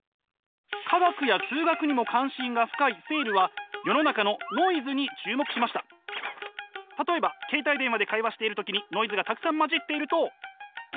科学や数学にも関心が深いセールは例えば携帯電話で会話している時にノイズがたくさん混じっていると。